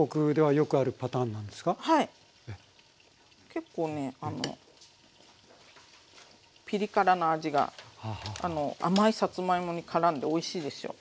結構ねあのピリ辛な味が甘いさつまいもにからんでおいしいですよ。